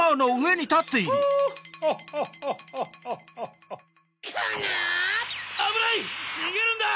にげるんだ！